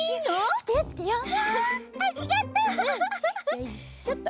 よいしょっと。